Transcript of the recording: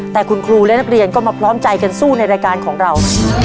แต่คุณครูและนักเรียนก็มาพร้อมใจกันสู้ในรายการของเรา